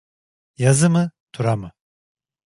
Yazı mı, tura mı?